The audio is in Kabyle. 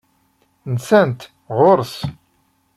Nsant ɣur-s?